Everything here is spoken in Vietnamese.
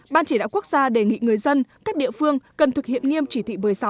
ban chỉ đạo quốc gia đề nghị người dân các địa phương cần thực hiện nghiêm chỉ thị một mươi sáu